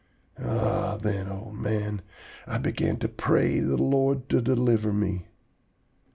Ah, then, old man, I began to pray the Lord to deliver me!